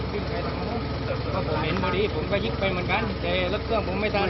เห็นพอดีผมก็ยิงไปเหมือนกันแต่รถเครื่องผมไม่ทัน